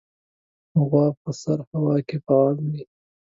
غوا په سړه هوا کې فعال وي.